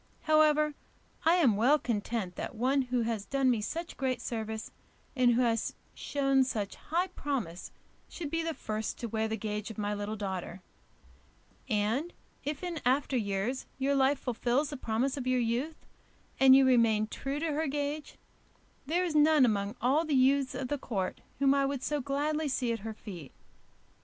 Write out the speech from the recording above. However, I am well content that one who has done me such great service and who has shown such high promise should be the first to wear the gage of my little daughter, and if in after years your life fulfils the promise of your youth, and you remain true to her gage, there is none among all the youths of the court whom I would so gladly see at her feet.